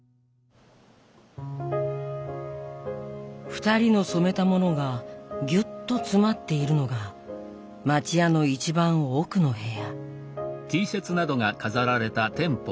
２人の染めたものがぎゅっと詰まっているのが町家の一番奥の部屋。